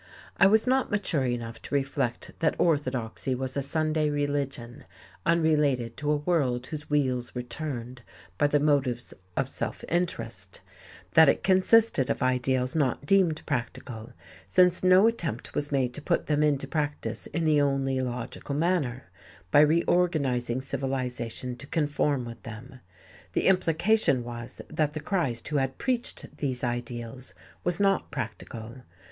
I was not mature enough to reflect that orthodoxy was a Sunday religion unrelated to a world whose wheels were turned by the motives of self interest; that it consisted of ideals not deemed practical, since no attempt was made to put them into practice in the only logical manner, by reorganizing civilization to conform with them. The implication was that the Christ who had preached these ideals was not practical....